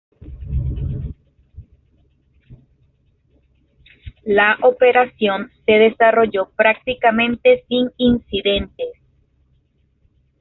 La operación se desarrolló prácticamente sin incidentes.